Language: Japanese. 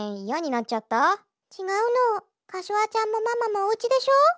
かしわちゃんもママもおうちでしょ？